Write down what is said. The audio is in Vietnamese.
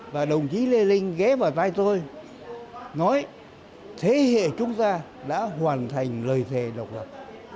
và đồng chí lê linh ghé vào tay tôi nói thế hệ chúng ta đã hoàn thành lời thề độc lập